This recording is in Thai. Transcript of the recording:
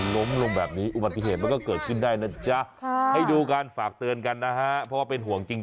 ล้มลงแบบนี้อุบัติเหตุมันก็เกิดขึ้นได้นะจ๊ะให้ดูกันฝากเตือนกันนะฮะเพราะว่าเป็นห่วงจริง